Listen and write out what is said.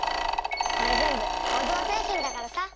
これ全部工業製品だからさ。